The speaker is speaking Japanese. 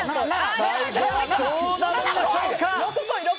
最後はどうなるんでしょうか。